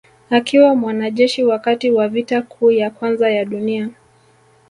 Akiwa mwanajeshi wakati wa vita kuu ya kwanza ya dunia